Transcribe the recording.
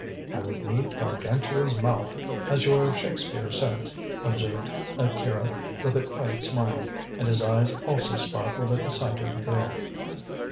"I would need Gargantua's mouth as your Shakespeare says," observed Akira with a quiet smile, and his eyes also sparkled at the sight of the girl.